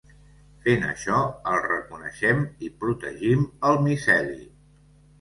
Fent això el reconeixem i protegim el miceli.